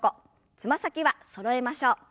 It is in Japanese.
つま先はそろえましょう。